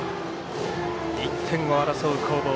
１点を争う攻防。